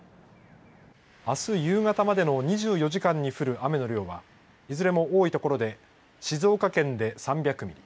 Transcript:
あす夕方までの２４時間に降る雨の量は、いずれも多い所で静岡県で３００ミリ